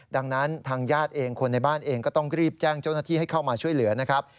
ดังนั้นทางญาติเองคนในบ้านเองก็ต้องรีบแจ้งเจ้าหน้าที่ให้เข้ามาช่วยเหลือนะครับ